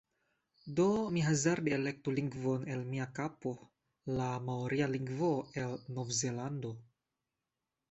Do, mi hazarde elektu lingvon el mia kapo... la maoria lingvo el Novzelando